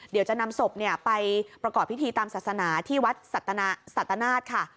เดี๋ยวจะนำศพไปประกอบพิธีตามศาสนาที่วัดสัตนาศค่ะ